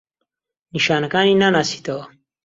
نیشانەکانی ناناسیتەوە؟